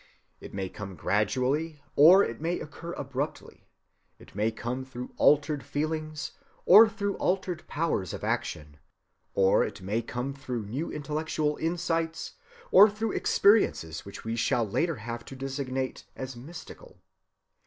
It may come gradually, or it may occur abruptly; it may come through altered feelings, or through altered powers of action; or it may come through new intellectual insights, or through experiences which we shall later have to designate as "mystical."